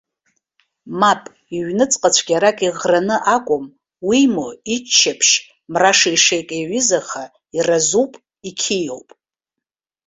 Мап, иҩныҵҟа цәгьарак иӷраны акәым, уимоу иччаԥшь, мра шеишеик иаҩызаха, иразуп, иқьиоуп.